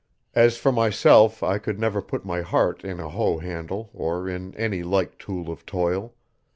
As for myself I could never put my heart in a hoe handle or in any like tool of toil.